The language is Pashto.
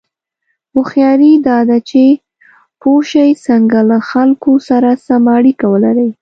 هوښیاري دا ده چې پوه شې څنګه له خلکو سره سمه اړیکه ولرې.